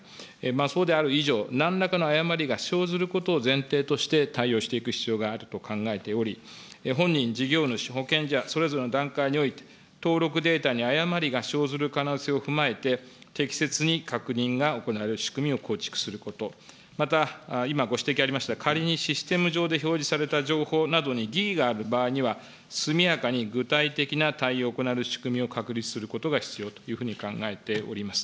そうである以上、なんらかの誤りが生ずることを前提として対応していく必要があると考えており、本人、事業主、保険者、それぞれの段階において、登録データに誤りが生ずる可能性を踏まえて、適切に確認が行われる仕組みを構築すること、また今、ご指摘ありました、仮にシステム上で表示された情報などに疑義がある場合には、速やかに具体的な対応を行える仕組みを確立することが必要というふうに考えております。